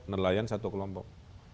nelayan satu kelompok